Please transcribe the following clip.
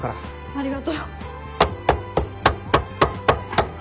ありがとう。